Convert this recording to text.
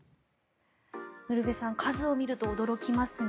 ウルヴェさん数を見ると驚きますが